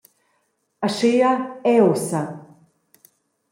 Aschia era ussa.